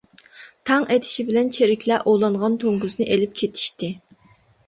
تاڭ ئېتىشى بىلەن چېرىكلەر ئوۋلانغان توڭگۇزنى ئېلىپ كېتىشتى.